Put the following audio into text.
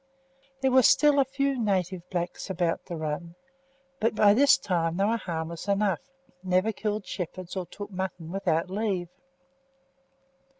There were still a few native blacks about the run, but by this time they were harmless enough: never killed shepherds, or took mutton without leave.